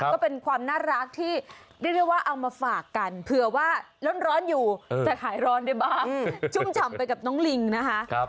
ก็เป็นความน่ารักที่เรียกได้ว่าเอามาฝากกันเผื่อว่าร้อนอยู่จะขายร้อนได้บ้างชุ่มฉ่ำไปกับน้องลิงนะคะ